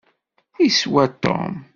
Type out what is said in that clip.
Iswa Tom.